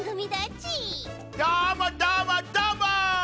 どーもどーもどーも！